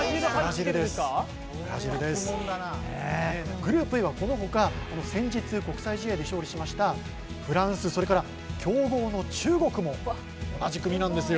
グループＡは、このほか先日、国際試合で勝利しましたフランス、それから強豪の中国も同じ組なんですよ。